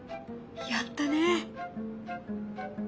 やったね。